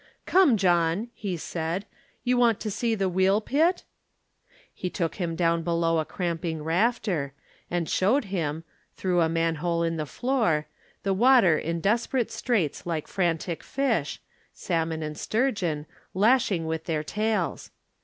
"Come, John," he said, "you want to see the wheel pit?" He took him down below a cramping rafter, And showed him, through a manhole in the floor, The water in desperate straits like frantic fish, Salmon and sturgeon, lashing with their tails.